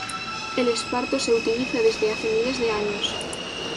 El esparto se utiliza desde hace miles de años.